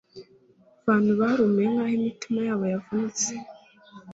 Bantu barumiwe nkaho imitima yabo yavunitse